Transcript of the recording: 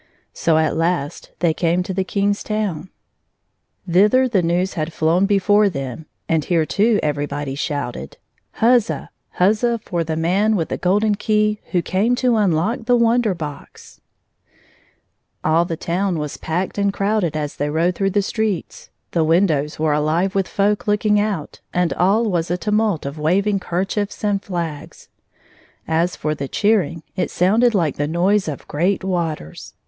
So at last they came to the King's town. 1 86 Thither the news had flown before them, and here, too, everybody shouted. Huzza ! Huzza for the man with the golden key who came to unlock the Wonder Box !" All the town was packed and crowded as they rode through the streets ; the win dows were aJive with folk looking out, and all was a tumult of waving kerchiefs and flags. As for the cheering, it sounded like the noise of great waters.